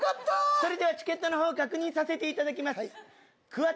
それではチケットのほう確認させていただきます。